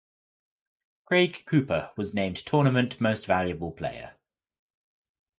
Craig Cooper was named Tournament Most Valuable Player.